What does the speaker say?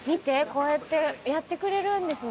こうやってやってくれるんですね。